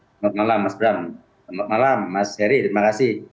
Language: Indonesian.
selamat malam mas bram selamat malam mas heri terima kasih